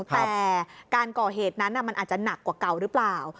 แต่การก่อเหตุนั้นมันอาจจะหนักกว่าเก่าหรือเปล่า